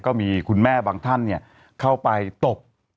ก็มีคุณแม่บางท่านเข้าไปตบ